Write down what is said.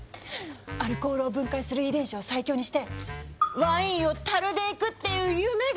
アルコールを分解する遺伝子を最強にしてワインを樽でいくっていう夢が！